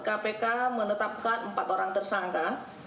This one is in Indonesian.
kpk menetapkan empat orang tersangka